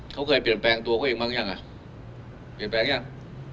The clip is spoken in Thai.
เขาเคยเปลี่ยนแปลงตัวเขาเองบ้างยังอ่ะเปลี่ยนแปลงยัง